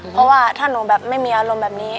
เพราะว่าถ้าหนูแบบไม่มีอารมณ์แบบนี้